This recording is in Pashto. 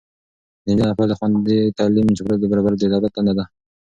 د نجونو لپاره د خوندي تعلیمي چاپیریال برابرول د دولت دنده ده.